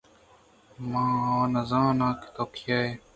من وَ زان آں تو کَے ئے؟